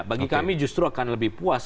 bagi kami justru akan lebih puas